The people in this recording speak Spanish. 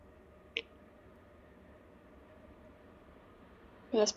Las protestas de Franklin Brito culminaron en su muerte.